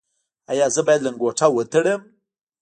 ایا زه باید لنګوټه ول تړم؟